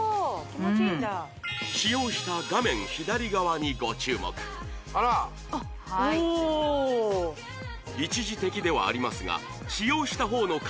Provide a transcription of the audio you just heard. うん使用した画面左側にご注目一時的ではありますが使用したほうの顔